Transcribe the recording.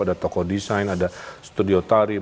ada toko desain ada studio tari